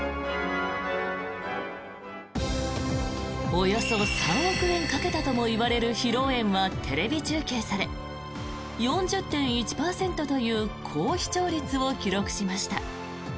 およそ３億円かけたともいわれる披露宴はテレビ中継され４０．１％という高視聴率を記録しました。